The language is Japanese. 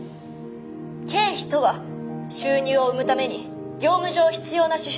経費とは収入を生むために業務上必要な支出。